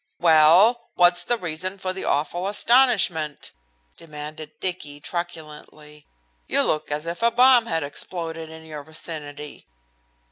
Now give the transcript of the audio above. "Well, what's the reason for the awful astonishment?" demanded Dicky, truculently. "You look as if a bomb had exploded in your vicinity."